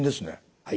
はい。